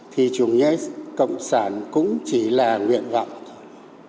thì chủ nghĩa cộng sản cũng chỉ là nguyện vọng thôi